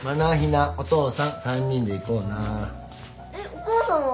お母さんは？